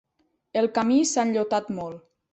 El camí s'ha enllotat molt.